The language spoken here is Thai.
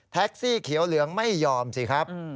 สีเขียวเหลืองไม่ยอมสิครับ